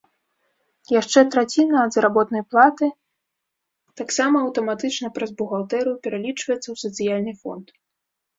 Яшчэ траціна ад заработнай платы таксама аўтаматычна праз бухгалтэрыю пералічваецца ў сацыяльны фонд.